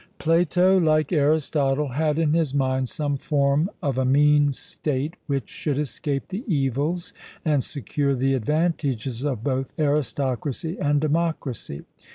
Plato, like Aristotle, had in his mind some form of a mean state which should escape the evils and secure the advantages of both aristocracy and democracy.